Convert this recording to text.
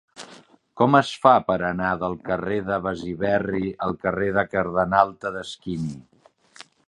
Com es fa per anar del carrer de Besiberri al carrer del Cardenal Tedeschini?